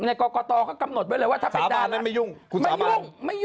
ในกรกตก็กำหนดไว้เลยว่าถ้าเป็นดารา